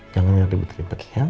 jangan ribet ribet ya